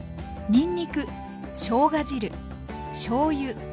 にんにくしょうが汁しょうゆ